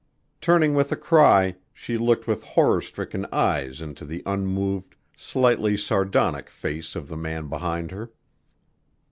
Turning with a cry, she looked with horror stricken eyes into the unmoved, slightly sardonic face of the man behind her.